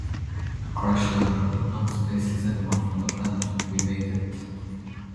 A "Crashlander", in Known Space, is anyone from the planet We Made It.